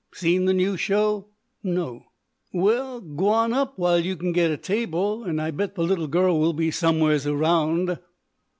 "Seen the new show?" "No." "Well, g'wan up while you can get a table. And I bet the little girl will be somewheres around."